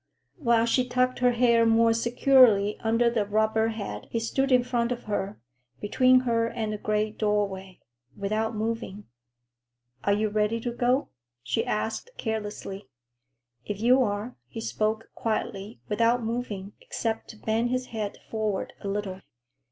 While she tucked her hair more securely under the rubber hat he stood in front of her, between her and the gray doorway, without moving. "Are you ready to go?" she asked carelessly. "If you are," he spoke quietly, without moving, except to bend his head forward a little.